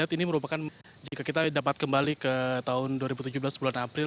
ini merupakan jika kita dapat kembali ke tahun dua ribu tujuh belas bulan april